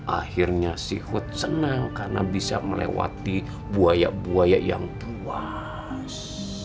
akhirnya seahud senang karena bisa melewati buaya buaya yang luas